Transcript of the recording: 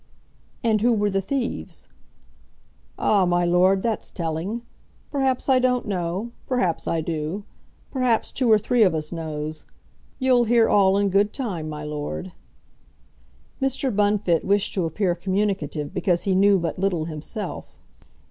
"And who were the thieves?" "Ah, my lord, that's telling. Perhaps I don't know. Perhaps I do. Perhaps two or three of us knows. You'll hear all in good time, my lord." Mr. Bunfit wished to appear communicative because he knew but little himself.